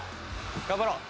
頑張ろう！